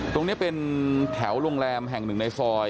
ตรงนี้เป็นแถวโรงแรมแห่งหนึ่งในซอย